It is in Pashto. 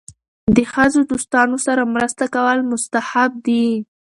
د ښځې دوستانو سره مرسته کول مستحب دي.